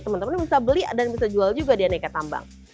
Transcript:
teman teman bisa beli dan bisa jual juga di aneka tambang